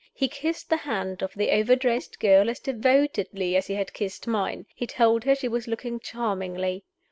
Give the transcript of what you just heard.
He kissed the hand of the overdressed girl as devotedly as he had kissed mine; he told her she was looking charmingly.